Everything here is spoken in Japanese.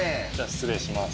失礼します。